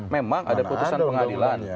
memang ada putusan pengadilan